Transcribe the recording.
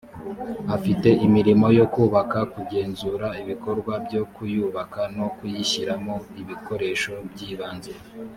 afite imirimo yo kubaka kugenzura ibikorwa byo kuyubaka no kuyishyiramo ibikoresho by’ibanze